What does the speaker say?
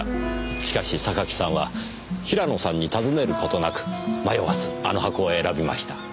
しかし榊さんは平野さんに尋ねることなく迷わずあの箱を選びました。